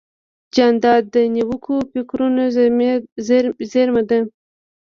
جانداد د نیکو فکرونو زېرمه ده.